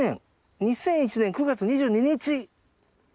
２００１年９月２２日！